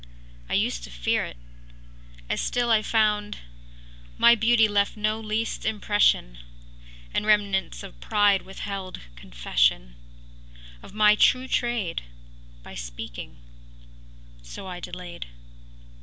’ I used to fear it, As still I found My beauty left no least impression, And remnants of pride withheld confession Of my true trade By speaking; so I delayed.